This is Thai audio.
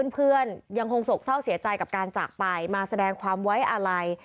เพื่อนยังคงสกเศร้าเสียใจกับการจากไปมาแสดงความไว้อะไร